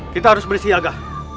kita harus bersiaga